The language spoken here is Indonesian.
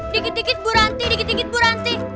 dikit dikit bu ranti dikit dikit bu ranti